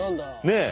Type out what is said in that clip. ねえ。